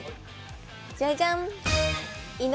じゃじゃん。